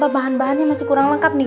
bahan bahannya masih kurang lengkap nih